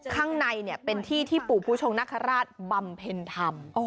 ข้างในเป็นที่ที่ปู่ผู้ชงนคราชบำเพ็ญธรรม